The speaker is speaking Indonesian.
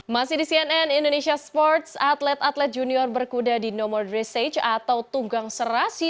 masih di cnn indonesia sports atlet atlet junior berkuda di nomor dressage atau tunggang serasi